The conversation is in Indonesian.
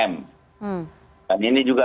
m dan ini juga